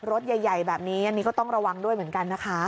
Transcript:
รถใหญ่แบบนี้อันนี้ก็ต้องระวังด้วยเหมือนกันนะคะ